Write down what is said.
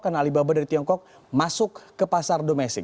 karena alibaba dari tiongkok masuk ke pasar domestic